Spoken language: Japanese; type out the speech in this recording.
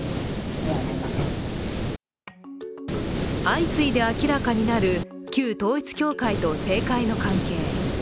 相次いで明らかになる旧統一教会と政界の関係。